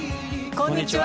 こんにちは。